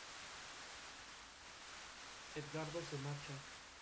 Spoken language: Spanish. Es el más grande brezal húmedo de Europa Occidental.